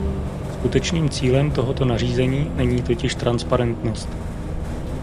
Skutečným cílem tohoto nařízení není totiž transparentnost.